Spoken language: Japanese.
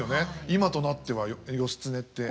今となっては義経って。